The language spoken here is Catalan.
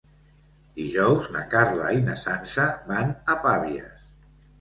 Dijous na Carla i na Sança van a Pavies.